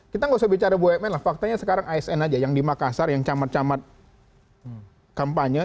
kita nggak usah bicara bumn lah faktanya sekarang asn aja yang di makassar yang camat camat kampanye